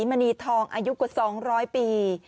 มณีทองอายุกว่า๒๐๐ปี